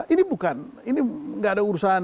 ini bukan ini nggak ada urusan